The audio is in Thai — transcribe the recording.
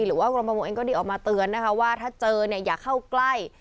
หรือว่ากรมประมงเองก็ดีออกมาเตือนนะคะว่าถ้าเจอเนี่ยอย่าเข้าใกล้